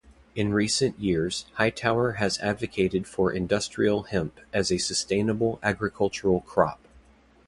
In recent years, Hightower has advocated for industrial hemp as a sustainable agricultural crop.